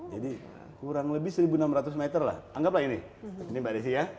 jadi kurang lebih seribu enam ratus meter lah anggaplah ini ini mbak desi ya